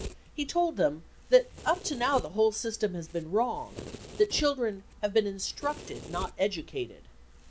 He told them that up to now the whole system has been wrong : that children 44 have been instructed, not educated."